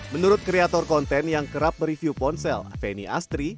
menurut kreator konten yang kerap mereview ponsel feni astri